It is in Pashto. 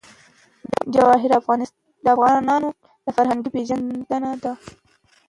جواهرات د افغانانو د فرهنګي پیژندنې برخه ده.